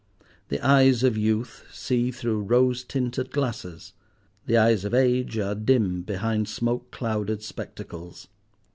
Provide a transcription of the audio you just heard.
The eyes of youth see through rose tinted glasses. The eyes of age are dim behind smoke clouded spectacles.